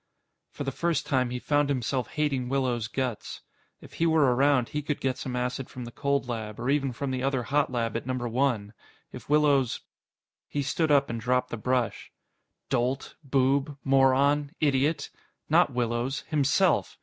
For the first time, he found himself hating Willows' guts. If he were around, he could get some acid from the cold lab, or even from the other hot lab at Number One. If Willows He stood up and dropped the brush. "Dolt! Boob! Moron! Idiot!" Not Willows. Himself.